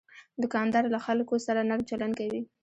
دوکاندار له خلکو سره نرم چلند کوي.